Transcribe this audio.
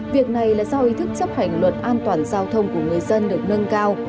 việc này là do ý thức chấp hành luật an toàn giao thông của người dân được nâng cao